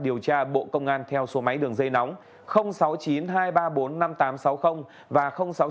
điều tra bộ công an theo số máy đường dây nóng sáu mươi chín hai trăm ba mươi bốn năm nghìn tám trăm sáu mươi và sáu mươi chín hai trăm ba mươi một một nghìn sáu trăm sáu